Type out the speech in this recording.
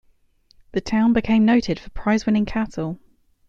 The town became noted for prize-winning cattle.